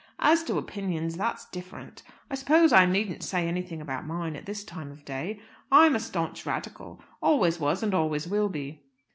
As to opinions, that's different. I suppose I needn't say anything about mine at this time of day. I'm a staunch Radical always was, and always will be."